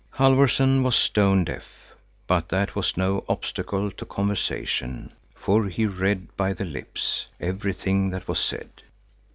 Halfvorson was stone deaf, but that was no obstacle to conversation, for he read by the lips everything that was said.